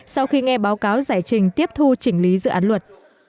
sau khi nghe báo cáo giải trình tiếp thu chỉnh lý dự án luật